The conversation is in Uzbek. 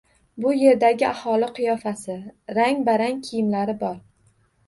Bu yerdagi aholi qiyofasi, rang-barang kiyimlari bor.